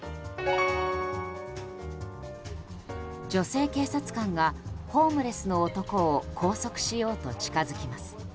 女性警察官がホームレスの男を拘束しようと近づきます。